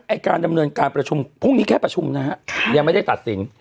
การดำเนินการประชุมพรุ่งนี้แค่ประชุมนะฮะยังไม่ได้ตัดสิน